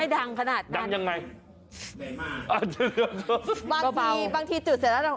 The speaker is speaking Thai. ไม่ดังขนาดดังยังไงแต่ก็มาทริปว่าการจุดเสร็จแล้วน่ะ